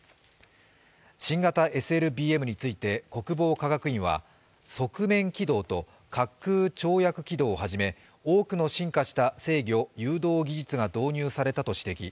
新型ＳＬＢＭについて国防科学院は側面機動と滑空跳躍機動をはじめ、多くの進化した制御誘導技術が導入されたと指摘。